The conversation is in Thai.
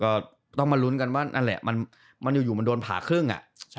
ก็ต้องมาลุ้นกันว่านั่นแหละมันอยู่มันโดนผ่าครึ่ง